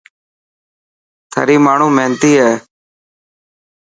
ٿري ماڻهو محنتي هي.